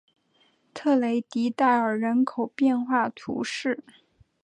特雷迪代尔人口变化图示